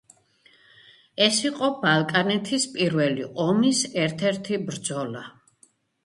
ეს იყო ბალკანეთის პირველი ომის ერთ-ერთი ბრძოლა.